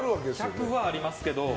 １００はありますけど。